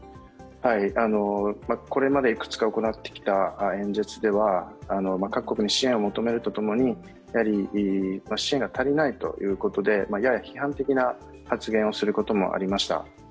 これまでいくつか行ってきた演説では各国に支援を求めるとともに支援が足りないということでやや批判的な発言をすることもありました。